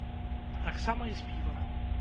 Таксама і з півам.